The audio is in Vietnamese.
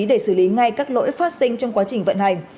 để xử lý ngay các lỗi phát sinh trong quá trình vận hành